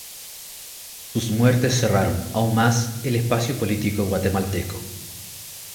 Sus muertes cerraron, aún más, el espacio político guatemalteco.